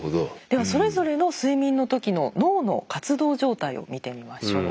ではそれぞれの睡眠の時の脳の活動状態を見てみましょう。